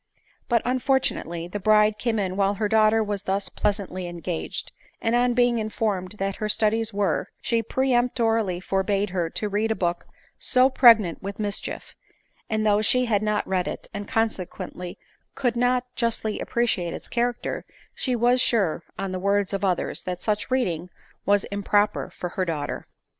But, unfortunately, the bride came in while her daughter was thus pleasantly engaged ; and on being informed what her studies were, she peremptorilly forbade her to read a book so pregnant with mischief; and though she had not read it, and consequently could not justly appreciate its character; she was sure, on the words of others, that such reading was improper for her daughter.